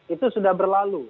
itu sudah berlalu